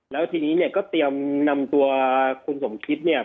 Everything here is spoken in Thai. แล้วทีนี้เนี่ยก็เตรียมนำตัวคุณสมคิดเนี่ย